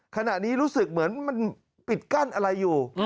ขณะนี้รู้สึกเหมือนมันปิดกั้นอะไรอยู่